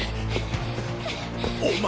お前！